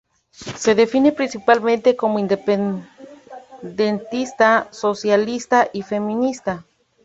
Se define principalmente como independentista, socialista y feminista.